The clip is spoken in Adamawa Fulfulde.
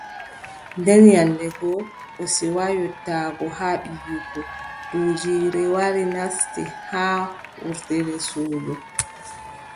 Nden nyande go, o siwa yottaago haa ɓiiyiiko, duujiire wari nasti haa wurdere suudu.